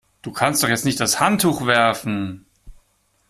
Du kannst doch jetzt nicht das Handtuch werfen!